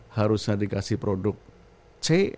harusnya dikasih produk c